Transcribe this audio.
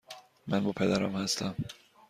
من با پدرم هستم.